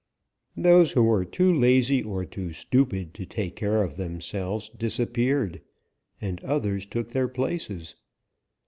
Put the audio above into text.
Those who were too lazy or too stupid to take care of themselves disappeared, and others took their places.